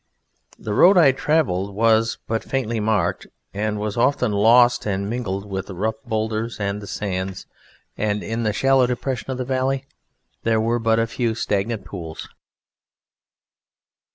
The road I travelled was but faintly marked, and was often lost and mingled with the rough boulders and the sand, and in the shallow depression of the valley there were but a few stagnant pools.